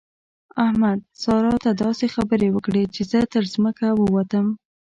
احمد؛ سارا ته داسې خبرې وکړې چې زه تر ځمکه ووتم.